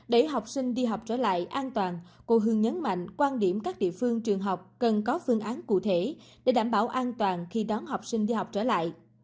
để học sinh đi học trở lại an toàn cô hương nhấn mạnh quan điểm các địa phương trường học cần có phương án cụ thể để đảm bảo an toàn khi đón học sinh đi học trở lại